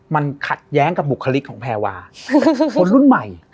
มันขัดแย้งกับบุคลิกของแพรวาคือคนรุ่นใหม่